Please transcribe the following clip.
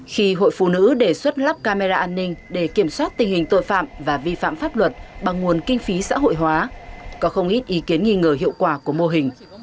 khi hội phụ nữ đề xuất lắp camera an ninh để kiểm soát tình hình tội phạm và vi phạm pháp luật bằng nguồn kinh phí xã hội hóa có không ít ý kiến nghi ngờ hiệu quả của mô hình